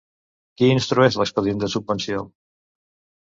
Qui instrueix l'expedient de subvenció?